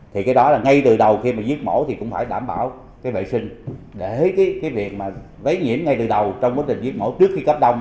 thì cái đó là ngay từ đầu khi mà giết mổ thì cũng phải đảm bảo cái vệ sinh để cái việc mà vấy nhiễm ngay từ đầu trong quá trình giết mổ trước khi cấp đông